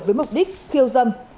với mục đích khiêu dâm